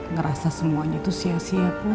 ngerasa semuanya tuh sia sia put